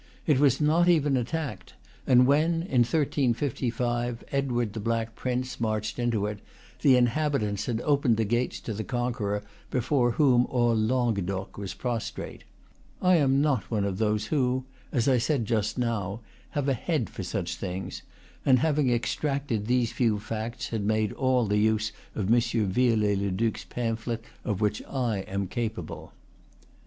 It was not even attacked; and when, in 1355, Edward the Black Prince marched into it, the inhabitants had opened the gates to the conqueror before whom all Languedoc was prostrate. I am not one of those who, as I said just now, have a head for such things, and having extracted these few facts had made all the use of M. Viollet le Duc's, pamphlet of which I was cap able.